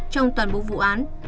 trong toàn bộ vụ án